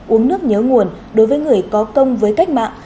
uống nước nhớ nguồn đối với người có công với cách mạng